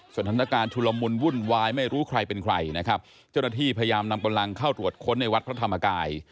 สถานการณ์ชุลมุนวุ่นวายไม่รู้ใครเป็นใครนะครับเจ้าหน้าที่พยายามนำกำลังเข้าตรวจค้นในวัดพระธรรมกาย